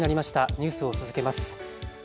ニュースを続けます。